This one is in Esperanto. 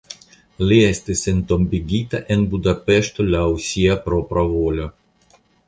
Li estis entombigita en Budapeŝto laŭ sia propra volo.